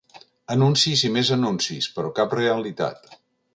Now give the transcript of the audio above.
Anuncis, i més anuncis, però cap realitat.